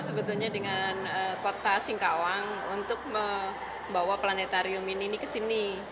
sebetulnya dengan kota singkawang untuk membawa planetarium ini ke sini